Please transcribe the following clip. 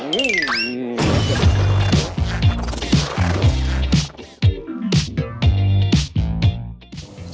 ได้ครับ